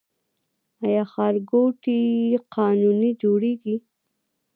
آیا ښارګوټي قانوني جوړیږي؟